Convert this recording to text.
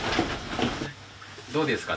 どうですか？